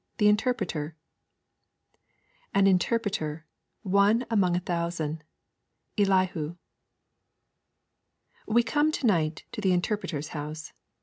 THE INTERPRETER 'An interpreter, one among a thousand.' Elihu. We come to night to the Interpreter's House.